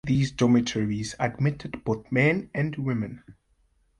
These dormitories admitted both men and women.